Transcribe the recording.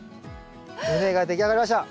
畝が出来上がりました。